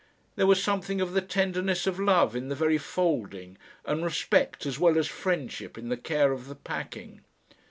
There was something of the tenderness of love in the very folding, and respect as well as friendship in the care of the packing.